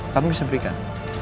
kami bisa berikan